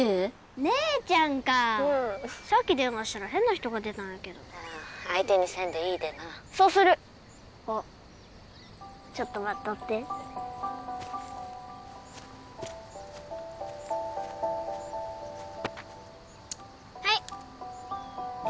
姉ちゃんか☎うんさっき電話したら変な人が出たんやけど☎ああ相手にせんでいいでなそうするあっちょっと待っとってはい誰？